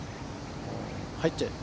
入っちゃえ。